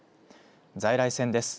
在来線です。